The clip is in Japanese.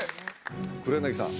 黒柳さん